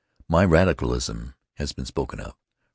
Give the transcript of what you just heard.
My 'radicalism' has been spoken of.